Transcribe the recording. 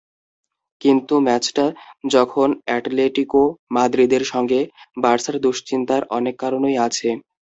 কিন্তু ম্যাচটা যখন অ্যাটলেটিকো মাদ্রিদের সঙ্গে, বার্সার দুশ্চিন্তার অনেক কারণই আছে।